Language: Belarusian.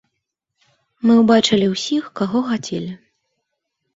Мы ўбачылі ўсіх, каго хацелі.